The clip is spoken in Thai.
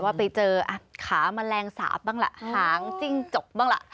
ว่าไปเจอขาแมลงสาปบ้างล่ะหางจิ้งจกบ้างล่ะ